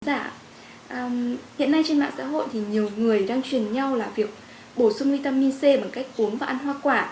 hiện nay trên mạng xã hội thì nhiều người đang truyền nhau là việc bổ sung vitamin c bằng cách cốm và ăn hoa quả